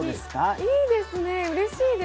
いいですね、うれしいです。